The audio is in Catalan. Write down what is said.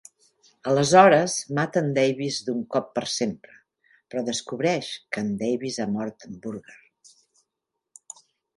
Aleshores mata en Davis d'un cop per sempre, però descobreix que en Davis ha mort en Burger.